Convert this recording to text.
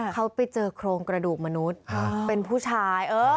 เขาไปเจอโครงกระดูกมนุษย์เป็นผู้ชาย